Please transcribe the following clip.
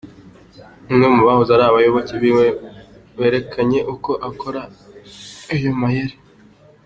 Umwe mu bahoze ari abayoboke biwe yarekanye uko akora ayo mayeri.